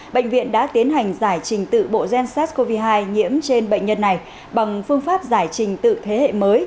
bệnh viện đã tiến hành giải trình tự bộ gen sars cov hai nhiễm trên bệnh nhân này bằng phương pháp giải trình tự thế hệ mới